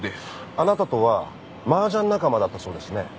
あなたとはマージャン仲間だったそうですね？